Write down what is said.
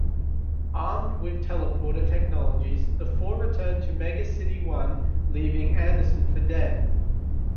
Armed with teleporter technologies, the four returned to Mega-City One, leaving Anderson for dead.